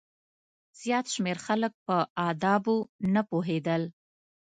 زیات شمېر خلک په آدابو نه پوهېدل.